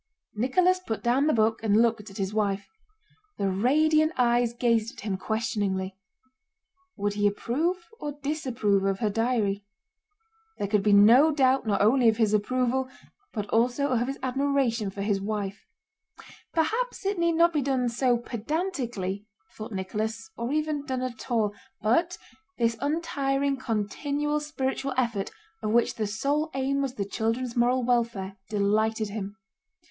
Nicholas put down the book and looked at his wife. The radiant eyes gazed at him questioningly: would he approve or disapprove of her diary? There could be no doubt not only of his approval but also of his admiration for his wife. Perhaps it need not be done so pedantically, thought Nicholas, or even done at all, but this untiring, continual spiritual effort of which the sole aim was the children's moral welfare delighted him.